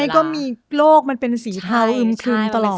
มีก้อนเมฆคือมันให้ก็มีโรคนั่นเป็นสีเท้าอุ๊ยขึ้นตลอด